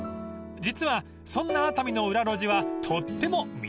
［実はそんな熱海の裏路地はとっても魅力的なんです］